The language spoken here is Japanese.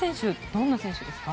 どんな選手ですか？